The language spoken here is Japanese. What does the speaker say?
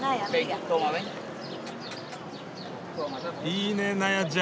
いいねナヤちゃん。